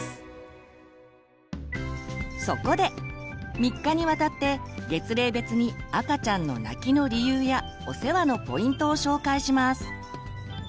３日にわたって月齢別に赤ちゃんの泣きの理由やお世話のポイントを紹介します。